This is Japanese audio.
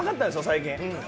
最近。